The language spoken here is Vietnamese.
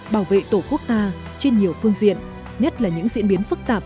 bảo vệ tổ quốc ta trên nhiều phương diện nhất là những diễn biến phức tạp